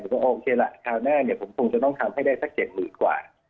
ก็โอเคละคราวหน้าเนี่ยผมคงจะต้องทำให้ได้สัก๗๐๐๐กว่า